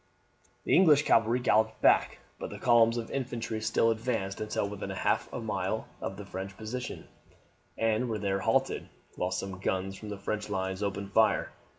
The English cavalry galloped back, but the columns of infantry still advanced until within half a mile of the French position, and were there halted, while some guns from the French lines opened fire.